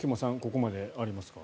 ここまでありますか？